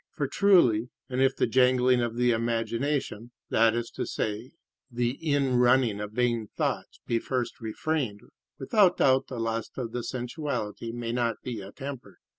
For truly, but if the jangling of the imagination, that is to say, the in running of vain thoughts, be first refrained, without doubt the lust of the sensuality may not be attempered.